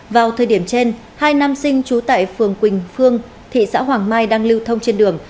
vào thời điểm trên hai nam sinh trú tại phường quỳnh phương thị xã hoàng mai đang lưu thông trên đường